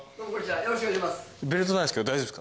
よろしくお願いします。